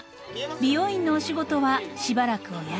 美容院のお仕事はしばらくお休み］